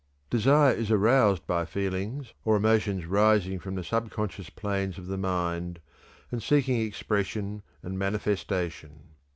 Desire is aroused by feelings or emotions rising from the subconscious planes of the mind and seeking expression and manifestation.